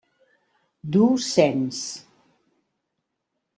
Du Sens.